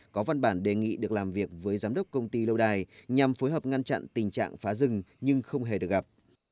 có văn bản đề nghị được làm việc với giám đốc công ty lâu đài nhằm phối hợp ngăn chặn tình trạng phá rừng nhưng không hề được gặp